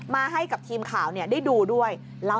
ให้กับทีมข่าวได้ดูด้วย